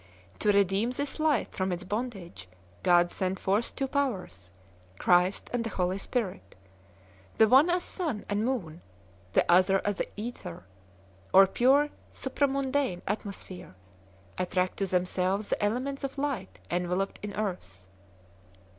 To redeem this light from its bondage God sent forth two powers, Christ and the Holy Spirit ; the one as Sun and Moon, the other as the aether or pure supra mundane atmosphere, attract to themselves the elements of light enveloped in earth.